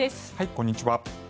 こんにちは。